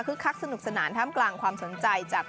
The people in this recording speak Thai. คักสนุกสนานท่ามกลางความสนใจจาก